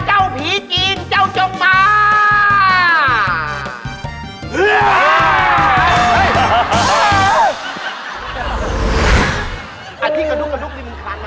อันนี้กระดูกมึงขามมาใช่ไหม